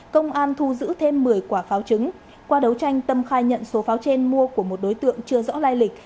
công an thu giữ thêm một mươi quả pháo trứng qua đấu tranh tâm khai nhận số pháo trên mua của một đối tượng chưa rõ lai lịch